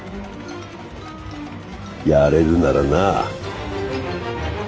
やれるならなあ。